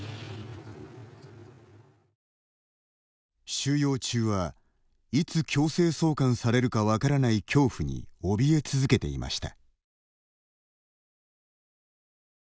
収容中はいつ強制送還されるか分からない恐怖におびえ続けていました。